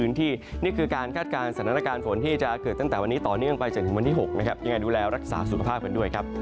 นี่คือการคาดการณ์สถานการณ์ฝนที่จะเกิดตั้งแต่วันนี้ต่อเนื่องไปจนถึงวันที่๖นะครับยังไงดูแลรักษาสุขภาพกันด้วยครับ